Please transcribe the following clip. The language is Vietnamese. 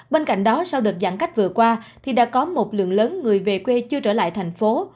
bên cạnh đó sau đợt giãn cách vừa qua thì đã có một lượng lớn người về quê chưa trở lại thành phố